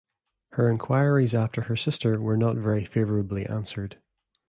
Her inquiries after her sister were not very favourably answered.